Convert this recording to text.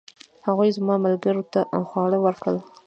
هغوی زما ملګرو ته خواړه ورکړل.